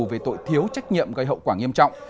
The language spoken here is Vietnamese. về tội thiếu trách nhiệm gây hậu quả nghiêm trọng